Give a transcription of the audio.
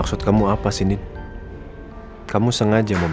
coba lu buat ama ama